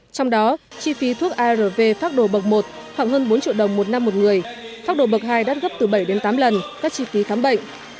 trong đó chi phí thuốc arv phác đồ bậc một khoảng hơn bốn triệu đồng một năm một người phát đồ bậc hai đắt gấp từ bảy đến tám lần các chi phí khám bệnh